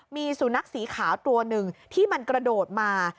มีสุนัขสีขาวตัวหนึ่งที่มันกระโดดมา